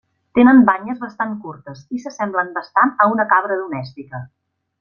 Tenen banyes bastant curtes i s'assemblen bastant a una cabra domèstica.